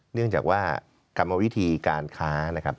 เนื่องจากว่ากรรมวิธีการค้านะครับ